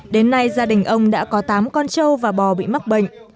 đến nay gia đình ông đã có tám con trâu và bò bị mắc bệnh